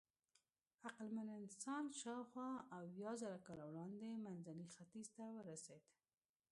عقلمن انسان شاوخوا اویازره کاله وړاندې منځني ختیځ ته ورسېد.